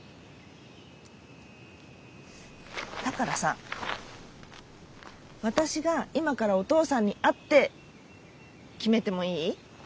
だからさ私が今からお父さんに会って決めてもいい？